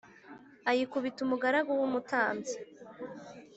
ayikubita umugaragu w umutambyi .